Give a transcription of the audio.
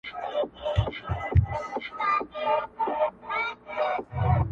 نجلۍ کمزورې کيږي او ساه يې درنه کيږي په سختۍ,